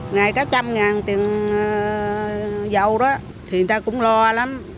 ngày có trăm ngàn tiền dầu đó thì người ta cũng lo lắm